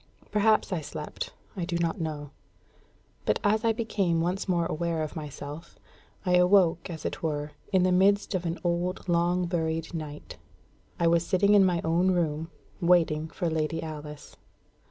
Perhaps I slept I do not know; but as I became once more aware of myself, I awoke, as it were, in the midst of an old long buried night. I was sitting in my own room, waiting for Lady Alice.